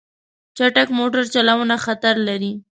چټک موټر چلوونه خطر لري.